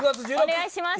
お願いします